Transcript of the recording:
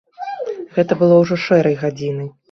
Гэта было ўжо шэрай гадзінай.